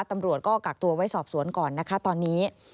ตำรวจก็กักตัวไว้สอบสวนก่อนนะคะตอนนี้